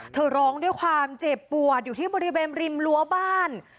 ร้องด้วยความเจ็บปวดอยู่ที่บริเวณริมรั้วบ้าน